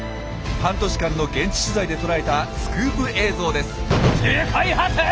半年間の現地取材でとらえたスクープ映像です。